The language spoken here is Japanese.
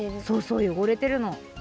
そうそうよごれてるの。